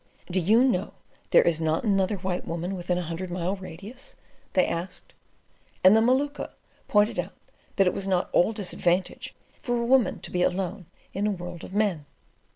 "Do you know there is not another white woman within a hundred mile radius?" they asked; and the Maluka pointed out that it was not all disadvantage for a woman to be alone in a world of men.